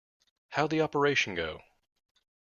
How'd the operation go?